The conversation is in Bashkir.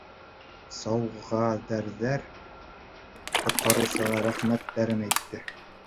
Сауҙагәрҙәр ҡотҡарыусыға рәхмәттәрен әйтте.